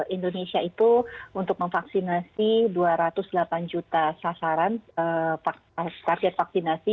indonesia itu untuk memvaksinasi dua ratus delapan juta sasaran target vaksinasi